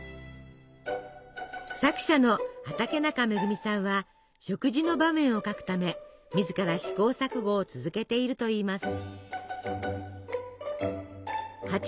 作者の畠中恵さんは食事の場面を書くため自ら試行錯誤を続けているといいます。